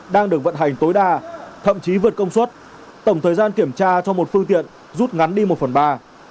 đang được vận hành tối đa thậm chí vượt công suất tổng thời gian kiểm tra cho một phương tiện rút ngắn đi một phần ba